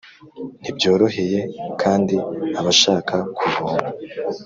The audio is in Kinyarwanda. ntibyoroheye kandi abashaka kuvoma